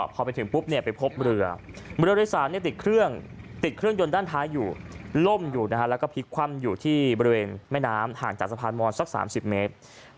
พอไปถึงปุ๊บไปพบเรือเรือโดยสารติดเครื่องติดเครื่องยนต์ด้านท้ายอยู่ล่มอยู่แล้วก็พลิกคว่ำอยู่ที่บริเวณแม่น้ำห่างจากสะพานมอนสัก๓๐เมตร